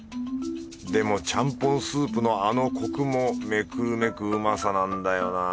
でもちゃんぽんスープのあのコクも目くるめくうまさなんだよなぁ。